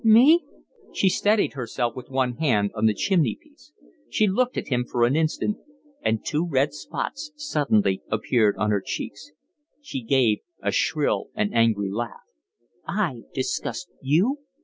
"Me?" She steadied herself with one hand on the chimney piece. She looked at him for an instant, and two red spots suddenly appeared on her cheeks. She gave a shrill, angry laugh. "I disgust YOU."